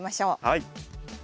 はい。